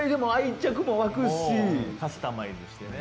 カスタマイズしてね。